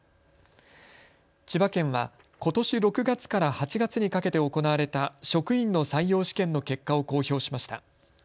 千葉県はことし６月から８月にかけて行われた職員の採用試験の結果を公表しました。